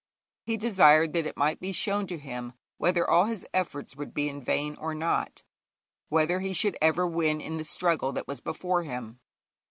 He desired that it might be shown to him whether all his efforts would be in vain or not, whether he should ever win in the struggle that was before him.